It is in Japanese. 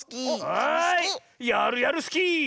はいやるやるスキー！